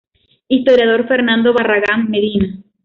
Historiador Fernando Barragán Medina.